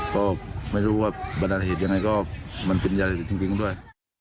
ก็ไม่รู้ว่าบรรดาเหตุยังไงก็มันเป็นยาเสพติดจริงด้วย